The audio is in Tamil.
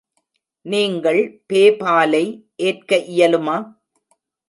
நீங்கள் பேபாலை ஏற்க இயலுமா?